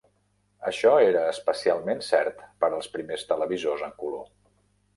Això era especialment cert per als primers televisors en color.